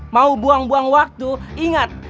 mau buang buang waktu ingat